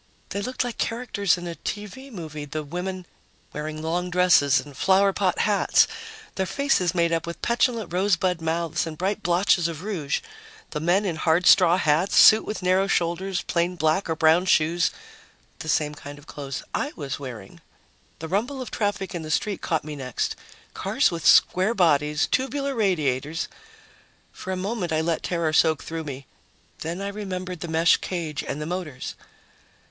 They looked like characters in a TV movie, the women wearing long dresses and flowerpot hats, their faces made up with petulant rosebud mouths and bright blotches of rouge; the men in hard straw hats, suits with narrow shoulders, plain black or brown shoes the same kind of clothes I was wearing. The rumble of traffic in the street caught me next. Cars with square bodies, tubular radiators.... For a moment, I let terror soak through me. Then I remembered the mesh cage and the motors.